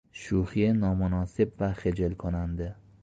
شوخی نامناسب و خجل کننده